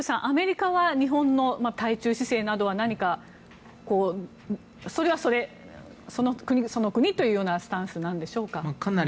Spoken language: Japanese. アメリカは日本の対中姿勢などは何か、それはそれその国というようなスタンスなんでしょうか？